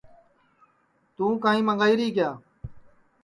توں کائیں منٚگائی ری کیا